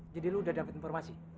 jadi lu udah dapet informasi